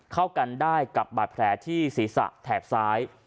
เข้ากันได้กับบาดแผลที่ศีรษะแถบซ้าย